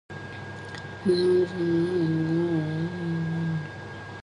These mathematical expressions are a little scary